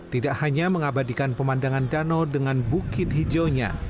tidak hanya mengabadikan pemandangan danau dengan bukit hijaunya